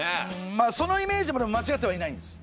まあそのイメージもまちがってはいないんです。